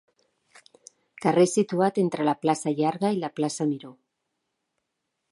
Carrer situat entre la plaça Llarga i la plaça Miró.